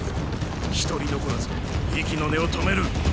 一人残らず息の根を止める。